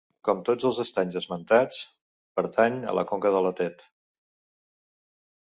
Com tots els estanys esmentats, pertany a la conca de la Tet.